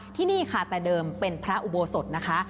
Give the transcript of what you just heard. ที่นี่ค่ะแต่เดิมเป็นพระอุโบสถนะคะ